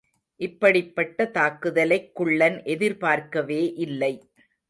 இப்படிப்பட்ட தாக்குதலைக் குள்ளன் எதிர்பார்க்கவே இல்லை.